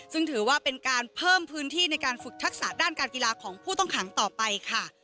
ซึ่งถือว่าเป็นการเพิ่มพื้นที่ในการฝึกทักษะด้านการกีฬาของผู้ต้องขังต่อไปค่ะ